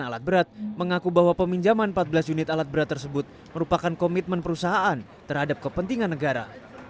alat berat mengaku bahwa peminjaman empat belas unit alat berat tersebut merupakan komitmen perusahaan terhadap kepentingan negara